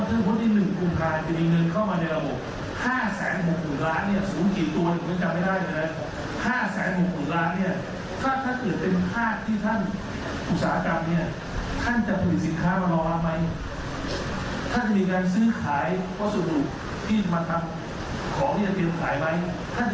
ที่ไม่เห็นด้วยที่ไม่มีเหตุผลเนี่ยมันจะแพ้ล้างโครงการนี้ได้